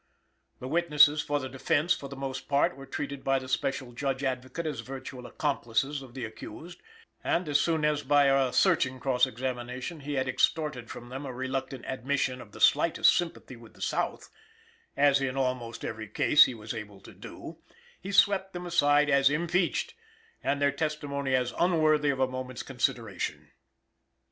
The witnesses for the defense, for the most part, were treated by the Special Judge Advocate as virtual accomplices of the accused; and, as soon as, by a searching cross examination, he had extorted from them a reluctant admission of the slightest sympathy with the South (as in almost every case he was able to do), he swept them aside as impeached, and their testimony as unworthy of a moment's consideration.